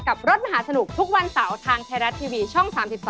รถมหาสนุกทุกวันเสาร์ทางไทยรัฐทีวีช่อง๓๒